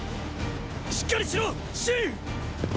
しっかりしろっ信っ！